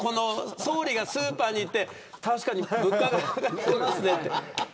総理がスーパーに行って確かに物価が上がってますねって。